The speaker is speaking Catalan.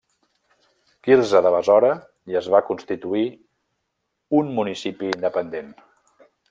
Quirze de Besora i es va constituir un municipi independent.